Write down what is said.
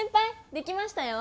できましたよ。